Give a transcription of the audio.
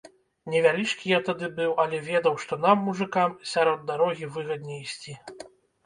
Невялічкі я тады быў, але ведаў, што нам, мужыкам, сярод дарогі выгадней ісці.